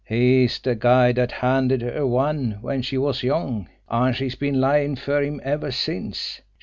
"He's de guy dat handed her one when she was young, an' she's been layin' fer him ever since!